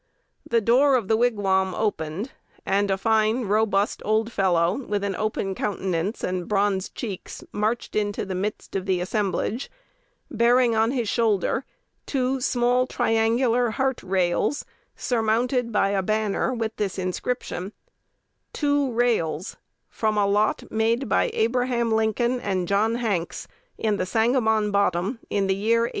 The door of the Wigwam opened; and a fine, robust old fellow, with an open countenance and bronzed cheeks, marched into the midst of the assemblage, bearing on his shoulder "two small triangular heart rails," surmounted by a banner with this inscription: TWO RAILS, FROM A LOT MADE BY ABRAHAM LINCOLN AND JOHN HANKS, IN THE SANGAMON BOTTOM, IN THE YEAR 1830.